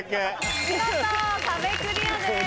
見事壁クリアです。